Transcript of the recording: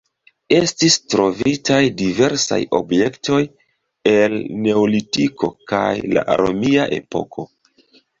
Estis trovitaj diversaj objektoj el neolitiko kaj la romia epoko.